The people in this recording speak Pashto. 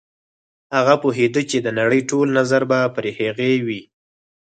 هغه پوهېده چې د نړۍ ټول نظر به پر هغې وي.